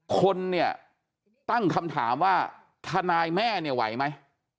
คนเนี่ยตั้งคำถามว่าทนายแม่เนี่ยไหวไหม